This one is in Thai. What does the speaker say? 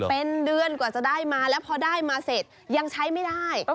เป็นเดือนกว่าจะได้มาแล้วพอได้มาเสร็จยังใช้ไม่ได้